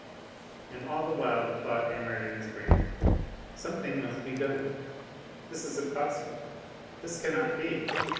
And all the while the thought hammered in his brain: "Something must be done! This is impossible! This cannot be!